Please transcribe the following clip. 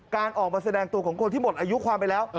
การออกมาแสดงตัวของคนที่หมดอายุความไปแล้ว